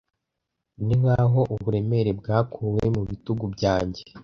Ninkaho uburemere bwakuwe mubitugu byanjye.